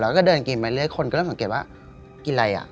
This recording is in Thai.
แล้วก็เดินกินไปเรื่อยคนก็เริ่มสังเกตว่ากินอะไรอ่ะ